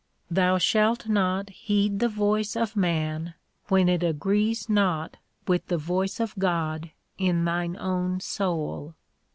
Thou shalt not heed the voice of man when it agrees not with the voice of God in thine own soul.